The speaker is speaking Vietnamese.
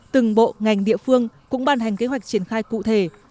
từng bộ ngành địa phương cũng ban hành kế hoạch triển khai cụ thể